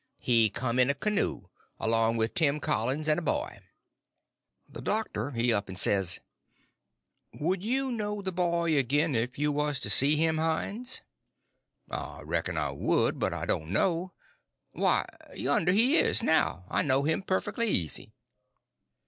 He come in a canoe, along with Tim Collins and a boy." The doctor he up and says: "Would you know the boy again if you was to see him, Hines?" "I reckon I would, but I don't know. Why, yonder he is, now. I know him perfectly easy."